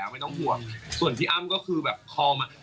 ว่าเขา